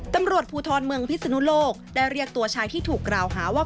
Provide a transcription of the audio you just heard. ตำรวจภูทรเมืองพิศนุโลกได้เรียกตัวชายที่ถูกกล่าวหาว่า